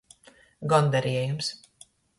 Gondarejums.